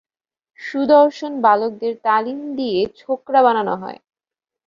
সুদর্শন বালকদের তালিম দিয়ে ছোকরা বানানো হয়।